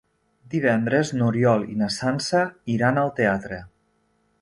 Divendres n'Oriol i na Sança iran al teatre.